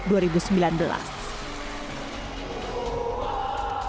pemilihan kekuasaan dan kekuasaan